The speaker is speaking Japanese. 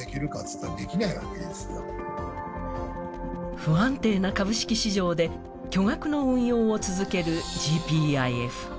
不安定な株式市場で巨額の運用を続けるＧＰＩＦ。